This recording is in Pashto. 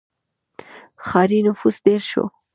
• ښاري نفوس ډېر شو.